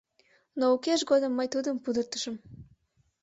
Но укеж годым мый тудым пудыртышым.